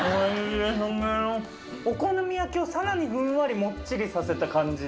お好み焼きをさらにふんわりもっちりさせた感じで。